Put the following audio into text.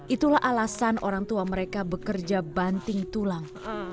itulah alasan orang tua mereka bekerja banting tulang